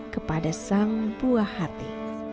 kepadanya sang buah hati